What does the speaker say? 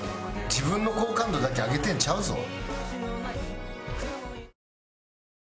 自分の好感度だけ上げてんちゃうぞ。